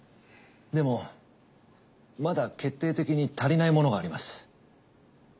でもまだ決定的に足りないものがあります。